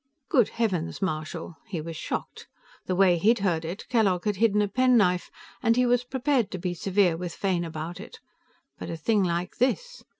"Good heavens, Marshal!" He was shocked. The way he'd heard it, Kellogg had hidden a penknife, and he was prepared to be severe with Fane about it. But a thing like this!